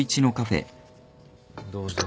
どうぞ。